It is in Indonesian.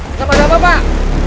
tidak ada apa apa pak